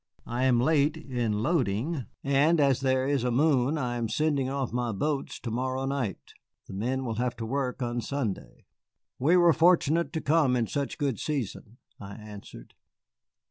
I am late in loading, and as there is a moon I am sending off my boats to morrow night. The men will have to work on Sunday." "We were fortunate to come in such good season," I answered.